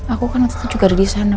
aku kan waktu itu juga ada disana